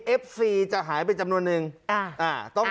เอฟซีจะหายไปจำนวนนึง